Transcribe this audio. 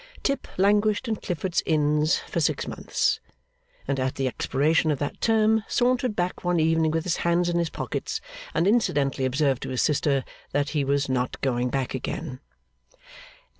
Tip languished in Clifford's Inns for six months, and at the expiration of that term sauntered back one evening with his hands in his pockets, and incidentally observed to his sister that he was not going back again.